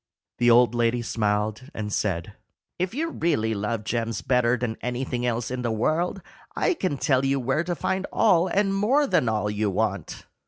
The old lady smiled, and said, "If you really love gems better than anything else in the world, I can tell you where to find all and more than all you want."